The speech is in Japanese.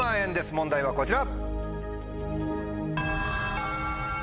問題はこちら。